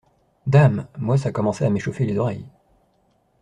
Dame ! moi, ça commençait à m’échauffer les oreilles…